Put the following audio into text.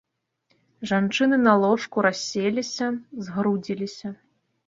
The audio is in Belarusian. Жанчыны на ложку расселіся, згрудзіліся.